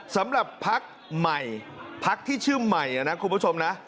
สำหรับพักใหม่พักที่ชื่อใหม่นะคุณผู้ชมนะ